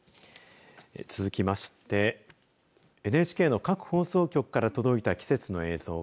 続きましてＮＨＫの各放送局から届いた季節の映像